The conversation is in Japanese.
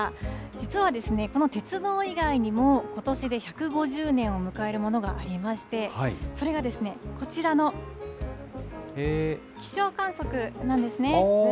実はですね、この鉄道以外にも、ことしで１５０年を迎えるものがありまして、それがこちらの気象観測なんですね。